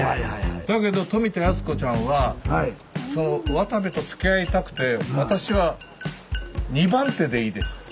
だけど富田靖子ちゃんはその渡部とつきあいたくて「私は２番手でいいです」って。